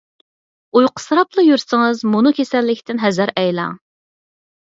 ئۇيقۇسىراپلا يۈرسىڭىز مۇنۇ كېسەللىكتىن ھەزەر ئەيلەڭ.